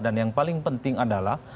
dan yang paling penting adalah